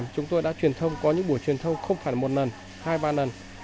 chúng tôi đã truyền thông có những buổi truyền thông không phải là một lần hai ba lần